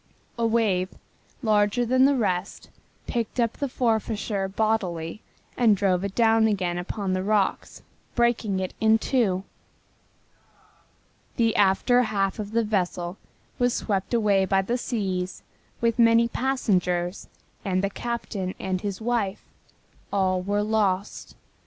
A wave, larger than the rest, picked up the Forfarshire bodily and drove it down again upon the rocks, breaking it in two. The after half of the vessel was swept away by the seas with many passengers and the captain and his wife. All were lost.